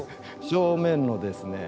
正面のですね